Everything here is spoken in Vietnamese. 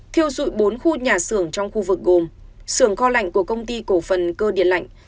thiêu dụi bốn khu nhà xưởng trong khu vực gồm xưởng kho lạnh của công ty cổ phần cơ điện lạnh